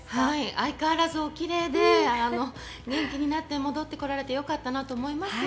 相変わらずおきれいで、元気になって戻ってこられてよかったと思います。